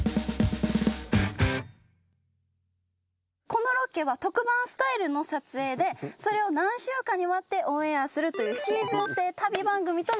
このロケは特番スタイルの撮影でそれを何週間に割ってオンエアするというシーズン制旅番組となっております。